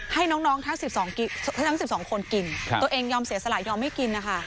ให้น้องทั้ง๑๒คนกินตัวเองยอมเสียสละยอมไม่กินนะคะ